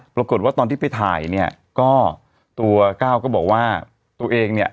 ปรากฏว่าตอนที่ไปถ่ายเนี่ยก็ตัวก้าวก็บอกว่าตัวเองเนี่ย